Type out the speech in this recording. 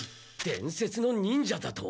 伝説の忍者だと？